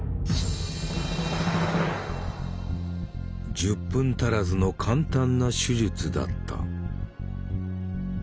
１０分足らずの簡単な手術だった。